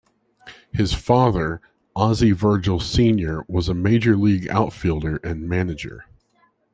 His father, Ozzie Virgil Senior was a Major League outfielder and manager.